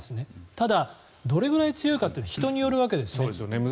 ただ、どれぐらい強いのかは人によるわけですね。